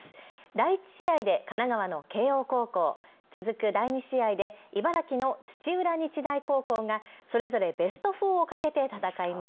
第１試合で神奈川の慶応高校、続く第２試合で茨城の土浦日大高校がそれぞれベスト４をかけて戦います。